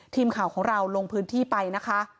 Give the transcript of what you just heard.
ทีมข่าวของเราลงพื้นที่ไปนะคะ